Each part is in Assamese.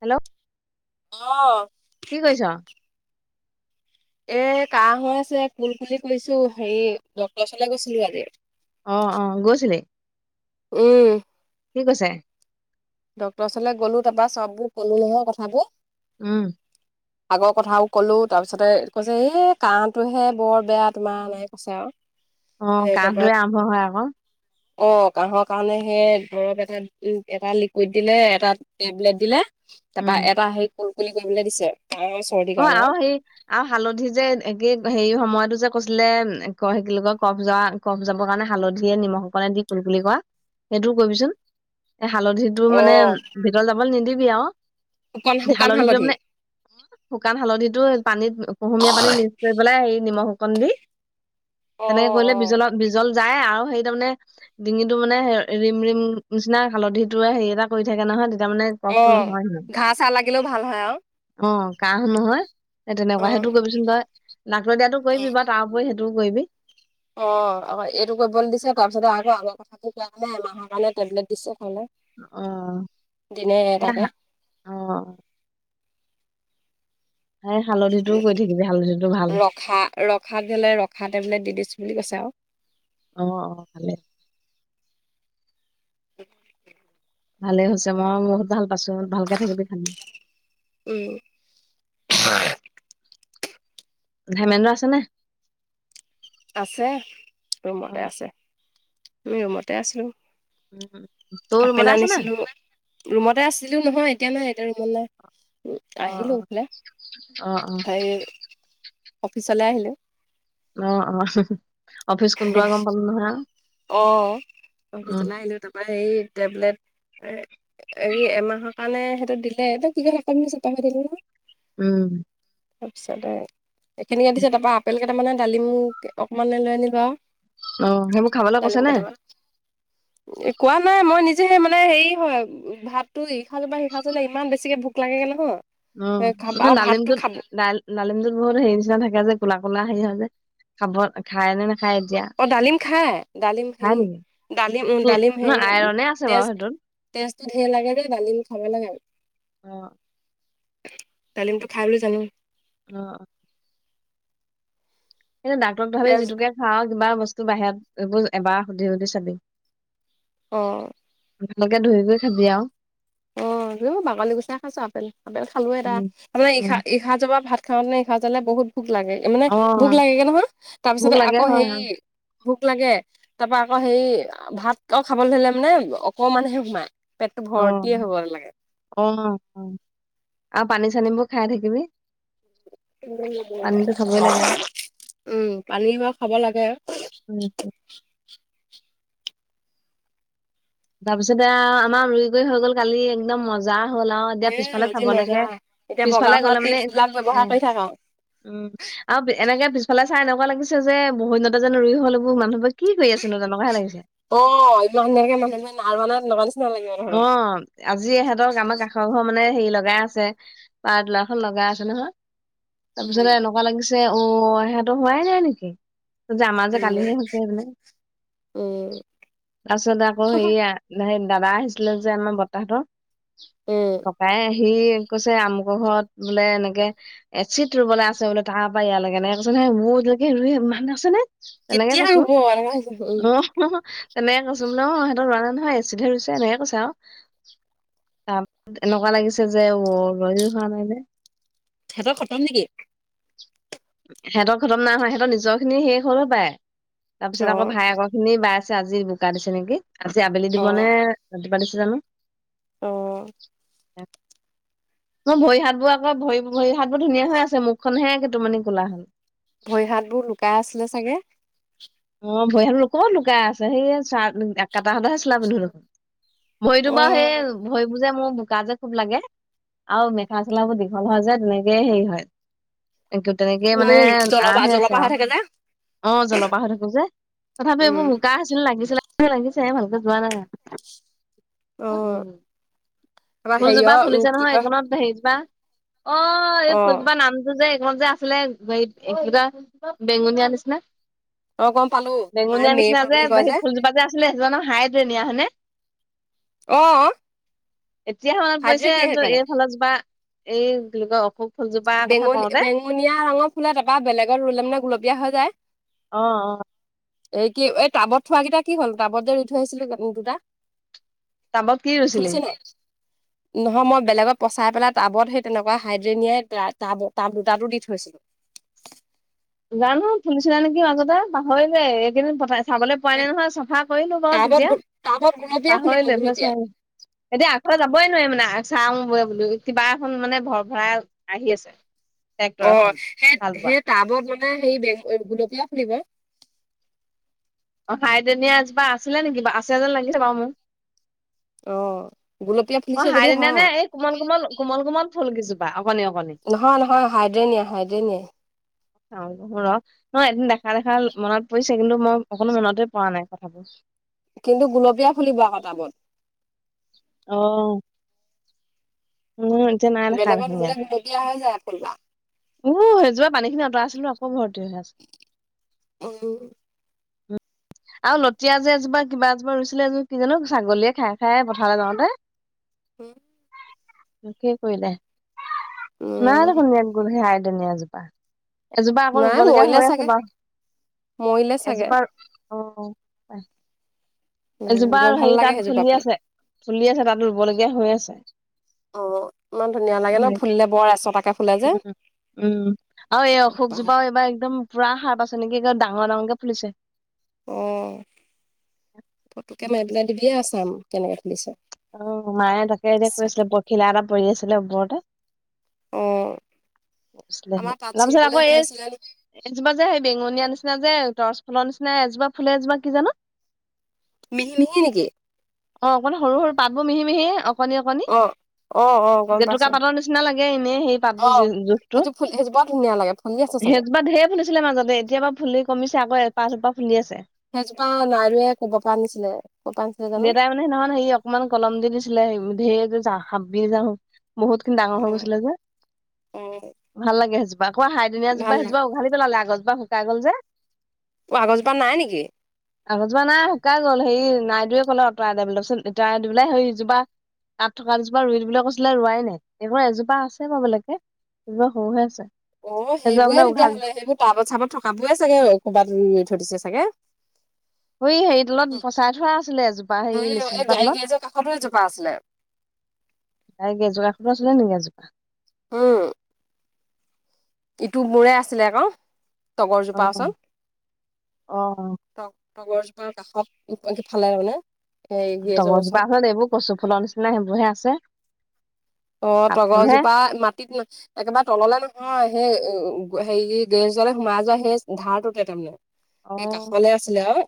হেল্ল'। অ'। কি কৰিছ? এ, কাহ হৈ আছে, কুল কুলি কৰিছোঁ, হেই ডক্ট ওচৱলে গৈছিলোঁ আজি। অ', অ' গৈছিলি? উম। কি কৈছে? ডক্টৰ ওচৰলে গ'লো, তাপা চববো ক'লো নহয় কথাবোৰ। উম। আগৰ কথাও ক'লো, তাপিছতে কৈছে এই কাঁহটোহে বৰ বেয়া তোমাৰ এনেকে কৈছে আৰু। অ', এ তাৰপৰা কাহঁটোয়ে আৰম্ভ হয় আক'। অ', কাহঁৰ কাৰণে হেই দ্ৰৱ এটা-এটা লিকুইড দিলে এটা টেবলেট দিলে। উম তাৰপা এটা হেই কুলকুলি কৰিবলৈ দিছে। কাহৰ চৰ্দিৰ অ', কাৰণে আৰু হেই আৰু হালধি যে একে হেই হয় মইতো যে কৈছিলে হেই কি বুলি কয় কফ যয়া কফ যাবৰ কাৰণে হালধিয়ে নিমখ অকণনে দি কুলকুলি কৰা। সেইটোও কৰিবিচোন এ হালধিটো মানে অ', ভিতৰত যাবলৈ নিদিবি আৰু। শুকান শুকান হালধিটো হালধি? মানে শুকান হালধিটো পানীত কুহুমীয়া পানীত মিক্স কৰি পেলাই হেই নিমখ অকণ দি। অ', তেনেকে কৰিলে অ'। বিজলত বিজল যায় আৰু হেই তাৰ মানে ডিঙিটো মানে হে ৰিম ৰিম নিচিনা হালধিটোৱে হেই এটা কৰি থাকে নহয়। তাৰ মানে কফটো অ', নহয় হেনো ঘাঁ চাহ লাগিলেও ভাল হয় আৰু। অ'। কাহঁ নহয় সেই তেনেকুৱা হেইটো অ'। কৰিবিচোন তই। ডাক্টয়ে দিয়াটো অ'। কৰিবি বাৰু তাৰ উপৰিও হেইটো টোও কৰিবি। অ', আক' এইটো কৰিবলে দিছে, তাৰপিছতে আক' আগৰ কথাটো কোৱা কাৰণে, এমাহ কাৰণে টেবলেট দিছে। হ'লে অ দিনে এই হা এটাকে। অ সেই হালধিটোও কৰি থাকিবি হালধিটো ভাল ৰখা ৰখাক গ'লে ৰখা টেবলেট দি দিছো বুলি কৈছে আৰু। অ', অ', ভালে। [inaudible] ভালেই হৈছে। মই বহুত ভাল পাছো ভালকে থাকিবি খালি। উম। ধেমেন্দ্ৰ আছেনে নাই? আছে, অ ৰুমতে আছে। আমি ৰুমতে আছোঁ। উম, তোৰ ৰুমতে আপেল আছে নে আনিছিলো। ৰুমতে আছিলো নহয় এতিয়া নাই এতিয়া ৰুমত নাই। অ অ আহিলো এইফালে অ সেই অফিচলৈ আহিলো। অ', অ', অফিচ কোনটে আৰু গম পালো নহয় আৰু। অ', উম অফিচলাই আহিলো তাৰপৰা সেই টেবলেট এই এমাহৰ কাৰণে সেইটো দিলে। সেইটো [unintelligible] উম। তাৰপিছত এইখিনিকে দিছে তাৰপা আপেল কেইটামানে দালিম অকণমানে লৈ আনিবা আৰু। অ', সেই ডালিম কেইটামান। এ কোৱা নাই মই নিজে মানে হেৰি হয় ভাতটো ইসাজৰ পৰা সিসাজলে ইমান বেছিকে ভ ভোক লাগে গৈ নহয়। উম, খাব আৰু ভাতটো ডালিমটোত খাব ডালিমটোত বহুত হেৰি নিচিনা থাকে যে কোলা কোলা হেৰি হয় যে খাব খাইনে অ' ডালিম খাই, ডালিম খাই হেৰি নেকি ডালিম উম ডালিম ন হেৰি আইৰনে আছে বাৰু তেজ সেইটোত তেজটো ধেৰ লাগে যে ডালিম খাব লাগে আৰু। অ'। ডালিমটো খাই বুলি জানো। অ'। কিন্তু ডাক্তৰক ভাবি তেজ যিটোকে খাৱ কিবা বস্তু বাহিৰত এইবোৰ এবাৰ সুধি সুধি চাবি। অ'। ভালকে ধৰি কৰি খাবি আৰু। অ', বাকলি গুচাই খাইছো আপেল আপেল খালো এটা। তাৰমানে ই-ইসাজৰ পৰা ভাত খাওঁতে ইসাজলে বহুত ভোক লাগে মানে অ ভোক লাগে গৈ নহয় তাৰপিছত ভোক লাগে আকৌ হয় হেৰি হয়। ভোক লাগে তাৰ পৰা আকৌ হেৰি ভাত অ' খাবলৈ ধৰিলে মানে অকমানহে সোমায়। পেটতো ভৰ অ', অ', আৰু পানী চানীবোৰ খাই থাকিবি। পানীটো খাবই লাগে আৰু উম, পানী বাৰু খাব লাগে। উম [inaudible] তাৰপিছতে আমাৰ ই [unintelligible] গৈ হৈ গল কালি একদম মজা। হ'ল আৰু এতিয়া এ পিছফালে আজি চাব মজা লাগে এতিয়া বগা পিছফালে হোৱা গ'লে মানে টিপছ বিলাক ব্যৱহাৰ অ' কৰি থাক আৰু উম আৰু এনেকে পিছফালে চাই এনেকুৱা লাগিছে যে বহুদিনতে যেন ৰুই হ'লবোৰ মানুহবোৰ অ', ইমান। [unintelligible] ধৰ অ', আজি ইহঁতৰ আমাৰ কাষৰ ঘৰ মানে হেৰি লগাই আছে পাৰ দলাৰ খন লগাই আছে নহয় উম, তাৰপিছতে এনেকুৱা লাগিছে যে অ', সিহঁতো হোৱাই নাই নেকি যে আমাৰ যে উম, কালিহে হৈছে স মানে উম, তাৰছত আকৌ সেয়া মানে দাদা আহিছিলে যে আমাৰ বতাহতৰ উম, ককাই আহি সি কৈছে আমুকৰ ঘৰত বোলে এনেকে এ চিত ৰুবলৈ আছে বোলে তট পাই ইয়াৰ লাগে এনেকে কৈছে ন নাই মোৰ এ [unintelligible] নে তেনেকে কেতিয়া কৈছো ৰুব এনেকুৱা হৈছে, উম। অ'। এনেকে কৈছো ন এহতৰ ৰুৱা নহয় এছি ধৰিছে এনেকে কৈছো। চা তাৰছ এনেকুৱা লাগিছে যে ৰো খোৱা নাই ন সিহঁতৰ খটম নেকি? সিহঁতৰ খতম নাই হোৱা সিহঁত নিজৰখিনি শেষ হলেও পায় তাৰপিছত আকৌ অ', ভাই আক খিনি বাই আজি বোকা দিছে নেকি আজি আবেলি দিব নে ৰাতিপুৱা দিছে জানো। অহ। ম ভৰি হাত বোৰ আকৌ ভৰি ভৰি হাতবোৰ ধুনীয়া হৈ আছে মুখখনহে তো মনি খোনা হ [unintelligible] ভৰি হাত বোৰ লুকাই আছিলে চাগে। অ', ভৰিয়াল লোক লুকাই আছে সেই চ একটা সদহে চোলা পিন্ধো দেখোন। ভয়তো পা সেই অ'। ভয় যে মোৰ বোকা যে খুব লাগে আৰু মেখেলা চেলাবোৰ দীঘল হয় যে তেনেকে হেৰি হয় এক তেনেকেই মানে উম, আৰ জলপা হৈ আছে জলপা আৰু থাকে যে। অ', জলপাহ থাক তথাপি এইবোৰ উম। বুকা আছিল লাগিছিল লাগিছে ভালকে যোৱা নাই। অ', উম তাৰপা হেৰিয় ফুলজোপা উম, ফুলিছে কি নহয় এ কয় কণত হেৰিজোপা অ', এই অ', ফুলজোপা নামটো যে ত যে আছিলে হেইত কিবা বেঙুনীয়া নিচিনা অ', গম পালোঁ মায়ে বেঙুনীয়া মেৰি নিচিনা ফুল যে বুলি কয় সেই ফুলজোপা যে আছিলে সেইজো ন হাইডেনিয়া হয়নে। অ',। এতিয়া হে হাইব্ৰীড পৰিছে নিয়ে তো সেইটোপানৰ। এইফালৰ জোপা এই বুলি কয় অসুক বেঙু বেঙুনীয়া ৰঙৰ ফুলে তা পা বেলেগত ৰুলে মানে গোলপীয়া হৈ যায়। অ', অ'। এই কি এই টাবত থোৱাকেইটা কি হ'ল টাবত যে ৰুই থৈ আহিছিলো দুটা টাবত কি ৰুইছিলি? ফুলিছে নাই? নহয় মই বেলেগত পচাই পেলাই টাবত সেই তেনেকুৱা হাইড্ৰেনিয়াই টাব টাব দুটাটো দি থৈছিলো। জানো ফুলিচে নেকি মাজতে পাহৰিলে এইকেইদিন পঠাই চাবলৈ পোৱা এই নাই নহয় চাফা কৰিলোঁ বাও টাবত তেতিয়া গো- টাবত গুলপীয়া ফুলিব পাহৰিলোৱেই এফালে গুলপীয়া চোৱাই নাই এতিয়া আগফালে যাবই নোৱাৰে মানে চাও [unintelligible] কিবা এখন মানে ভৰ ভৰাই আহি আছে। ট্ৰেক্টৰ অ', এখন সেই হাল বোৱা সেই টাবত মানে নাই সেই বে গোলপীয়া ফুলিব। অ', ভাইদনীয়ে নিয়াজোপা আছিলে নেকি আছে এ যেন লাগিছে বাৰু মোক অহ। অ', হাইদীনীয়া নে এই কোমল কোমল কোমল কোমল ফুল কিজো নহয় নহয় হাইড্ৰেনিয়া হাইড্ৰেনিয়া। ৰ ন এদিন দেখা দেখা মনত পৰিছে কিন্তু মই অকণো মনতে পৰা নাই কথাবোৰ। কিন্তু গুলপীয়া ফুলিব আক' টাবত। অহ। বেলেগত ৰুলে গুলপীয়া হৈ যায় ফুল পাহ। ও হেতু পে পানীখিনি অতৰাইছিলো হে আকৌ ভৰ উম। আৰু লতিয়া যে এজোপা কিবা এজোপা ৰুইছিলে এযোপ কি জানো ছাগলীয়ে খাই খাই পথাৰলৈ যাওঁতে। উম। শেষে কৰিলে। নাই উম দেখোন [unintelligible] সেই [unintelligible] জোপা। এজোপা আকৌ ৰুব নাই লগীয়া মৰিলে হৈ আছে চাগে বাৰু। মৰিলে চাগে এজোপা অ', পাই উম এজোপা বৰ আৰু ভাল হেৰি লাগে তাত সেইজোপা ফুলি ফুল আছে ফুলি আছে তাত ৰুব লগীয়া হৈ আছে। অ', ইমান ধুনীয়া লাগে ন ধৰি ফুলিলে বৰ এচটাকে ফুলে যে। উম, উম, আৰু এই অশোক জোপাও এইবাৰ একদম পুৰা সাৰ পাইছে নেকি ডাঙৰ ডাঙৰকে ফুলিছে। অ', ফটোকে মাৰি পেলাই দিবি আৰু ছাম কেনেকে ফুলিছে? অ', মায়ে তাকে এতিয়া কৈছিলে পখিলা এটা পৰি আছিলে ওপৰতে। অ'। আমাৰ তাঁত তাৰপিছত ছিঙিবলৈ আকৌ হৈ এই আছিলে এজোপা যে সেই বেঙুনীয়া নিচিনা যে তৰ্চ ফুলৰ নিচিনা এজোপা ফুলে এজোপা কি জানো? মিহি মিহি নেকি? অ', অকমান সৰু সৰু পাতবোৰ মিহি মিহি অকণি অকণি। অ', অ', অ', গম জেতুকা পাইছোঁ। পাতৰ নিচিনা লাগে এনে সেই অ', পাতবোৰ জোখটো। সেইটো ফুল সেইজোপা ধুনীয়া লাগে ফুলি আছে চাগে। সেইজোপা ঢেৰ ফুলিছিলে মাজতে। এতিয়াৰ বাৰু ফুলি কমিছে আকৌ এপাহ দুপাহ ফুলি আছে। সেইজোপা নাইৱে ক'ব পৰা নিছিনায়ে ক'ৰ পৰা আছিলে জানো। দেউতাই মানে সেইদিনাখন হেৰি অকমান কলম দি দিছিলে ধেৰ যে যা হাবি বহুতখিনি ডাঙৰ হৈ অ', গৈছিলে যে অ', ভাল লাগে সেই কিবা কোৱা হাইদিনীয়া ভাল লাগে জোপা উঘালি পেলালে আগৰ জোপা শুকাই গ'ল যে। অ', আগৰজোপা নাই নেকি? আগৰ জোপা নাই শুকাই গ'ল হেৰি নাই তোয়ে ক'লে অঁতৰাই বোলে। তাৰ পিছত অঁতৰাই দি পেলাই সেই জোপা তাত থকা এজোপা ৰুই দিব বুলি কৈছিলে ৰোৱাই নাই। এনেকুৱা এজোপা আছে বা বেলেগে এজোপা সৰু হৈ আছে। অ', সেইজোপা সেইবোৰে বোলে তেতিয়া উঘাল হ'লে সেইবোৰ তাৰবত চাৰবত থকাবোৰে চাগে ক'ৰবাত থৈ দিছে চাগে। অ', হেৰি তলত পচাই থোৱা আছিলে এজোপা হেৰি লিচু এই জোপা গাড়ী তলত। গেৰেজৰ কাষতো এজোপা আছিলে। [unintelligible] উম। ইটো মোৰে আছিলে আকৌ তগৰ অ জোপা ওচৰত। অ তগৰজোপাৰ কাষতফালে তাৰ মানে। এই গেৰেজৰ তগৰ জোপা ওচৰত এইবোৰ কচু ফুলৰ নিচিনা সেইবোৰহে আছে। অ', পাত তগৰ ফুলহে জোপা মাটিত ন একেবাৰে তললে নহয় হয় সেই হেৰি গেৰেজলে সোমাই যোৱা সেই ধাৰটোতে অ তাৰমানে। এই কাষলে আছিলে আৰু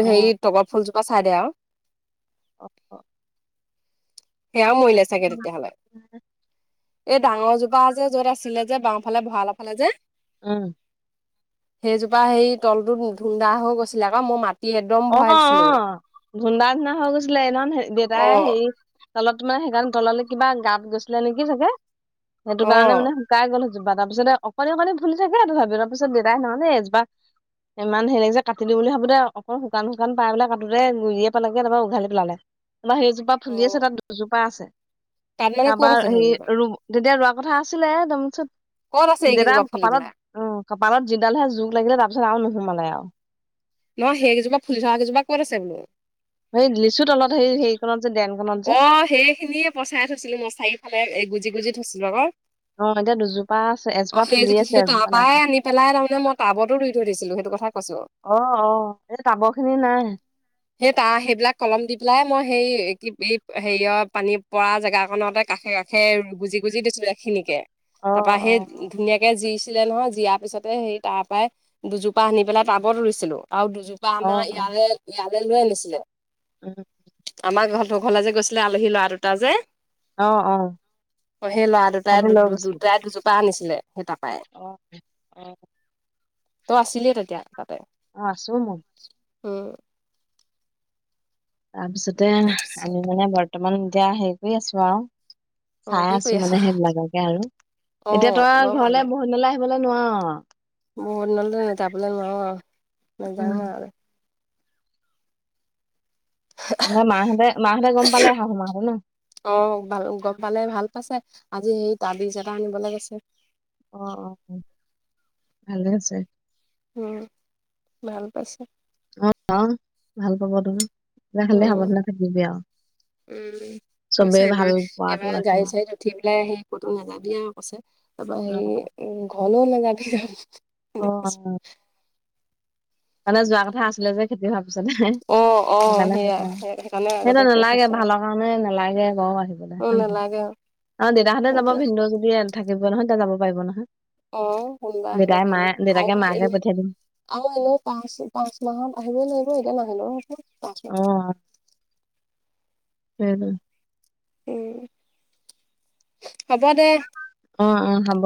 অ সেই তগৰ ফুলজোপা চাই দে আৰু। অ'। সেয়াও মৰিলে চাগে তেতিয়া হ'লে। এই ডাঙৰ জোপা যে য'ত আছিলে যে বাওঁফালে ভঁৰালৰ ফালে যে। উম। সেইজোপা সেই তলটোত ধুন্দা হৈ গৈছিলে আকৌ মই মাত মাটি এদম অ ভৰাই অ দিছিলো। ধুন্দা নিচিনা হৈ গৈছিলে হেই দিনাখন হ অ দেউতাই হেৰি তলত মানে সেইকাৰণে তললৈ কিবা গাত গৈছিলে নেকি চাগে। সেইটো অ কাৰণে মানে শুকাই গ'ল জোপা তাৰ পিছতে অকণি অকণি ফুলি থাকে তথাপিও। তাৰ পিছত দেউতাই সেই দিনাখন এই জোপা ইমান হেৰি লাগিছে কাটি দিও বুলি ভাবোতে অ', শুকান শুকান পাই পেলাই কাটোতে গুৰিয়েই পালেগে তাৰপৰা উঘালি পেলালে। তাৰ সেইজোপা অ ফুলি আছে, তাত দুজোপা আছে, তাত মানে তাৰপা ক'ত আছে হেৰি সেইজোপা তেতিয়া ৰু কথা আছিলে, [unintelligible] দমচত। ক'ত আছে যেতিয়া এইকেইজোপা ফুলি কপালত, পেলাই উম, কপালত যিডালহে জোক লাগিলে তাৰপিছত আৰু নোসোমালে আৰু। নহয়, সেইকেইজোপা ফুলি থকা কেইজোপা ক'ত আছে বোলো। সেই দি অ', সেইখিনিয়েই পচাই থৈছিলোঁ মই, চাৰিওফালে গুজি গুজি। থৈছিলোঁ আকৌ। অ এতিয়া দুজোপা আছে এজোপা অ', সেই ফুলি আছে এজোপা নাই সেইপৰাই ফুলা। আনি পেলাই, তাৰমানে মই টাবতো ৰুই থৈ দিছিলোঁ সেই এইটো কথাই কৈছোঁ। অ অ এই টাবৰ খিনি নাই সেই তাৰ সেইবিলাক কলম দি পেলাই, মই হেৰি কি এই হেৰিয়ৰ পানী পৰা জেগাকণতেই কাষে কাষে গুজি গুজি দিছোঁ, এইখিনিকেই। অ তাৰপৰা অ সেই ধুনীয়াক তে জিছিলে নহয়, জিয়াৰ পিছতেই সেই তাৰ পৰাই দুজোপা আনি পেলাই টাবত ৰুইছিলোঁ। আৰু দুজোপা অ আমাৰ অ ইয়ালে ইয়ালে লৈ আনিছিলে। উম। আমাৰ ঘৰলে যে গৈছিলে আলহী লৰা দুটা যে। অ', অ'। অ', সেই লৰা দুটাই, ভাবি লৈ দু গৈছিলো দুটাই দুজোপা আনিছিলে, সেই তাৰপৰাই। অ অ তই আছিলিয়েই তেতিয়া তাতেই। চুমু উম। তাৰপিছতে তাৰপিছত আনি মানে, বৰ্তমান এতিয়া হেৰি কৰি আছো আৰু। অ চাই কি কৰি আছোঁ, আছ? মানে সেইবিলাককে আৰু, এতিয়া অ', বৰ তই ভাল ঘৰলে লাগে, বহুতদিনলৈ আহিবলৈ নোৱাৰ আৰু। বহুত দিনলৈ যাবলে নোৱাৰোঁ আৰু, উম নাযাওঁ আৰু। নহয়, মা হঁতে, মা হঁতে গম পালে, শাহু মা হঁতে ন'? অ', বাৰু, গম পালে ভাল পাইছে, আজি সেই তাবিজ এটা আনিবলৈ গৈছে। অ', অ', ভালেই হৈছে। উম, ভাল পাইছে। অ', অ', ভাল পাব তোন আৰু, কিবা খালি উম, সাৱধানে থাকিবি আৰু। উম। কৈছে চবেই ভাল এইবাৰ, পোৱাটো এইবাৰ গাড়ী ৰাখিবি চাড়ীত উঠি পেলাই হেৰি ক'তো নাযাবি আৰু কৈছে, তাৰপৰা অ হেৰি উম, ঘৰলেও নাযাবি [unintelligible] এনেকে অ কৈছে। মানে যোৱা কথা আছিলে যে খেতি হোৱা পিছত মানে, অ', অ', সেইকাৰনে সেয়া কৈছে আৰু, সেইকাৰণে আগতে সেইটোৱেই কৈ নালাগে, থৈছে আৰু, ভালৰ কাৰণে নালাগে বাৰু আহিব। অ', নালাগে আৰু। অ', দেউতাহঁতে যাব, সেইটোৱে। ভিনদেউ যদি থাকিব নহয় তেতিয়া যাব পাৰিব নহয়। অ', শুনিবা আহিব দেউতাই মায়ে দেউতাকে মাকে পঠিয়াই দিম [unintelligible] পাঁচ পাঁচ মাহত আহিবই লাগিব, এতিয়া নাহিলেও হ'ব। পাঁচ মাহ অহ। সেইটোৱেই। উম। হ'ব দে। অ', অ', হ'ব।